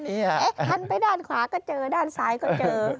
หันไปด้านขวาก็เจอด้านซ้ายก็เจอ